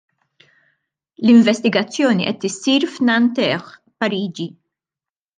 L-investigazzjoni qed issir f'Nanterre, Pariġi.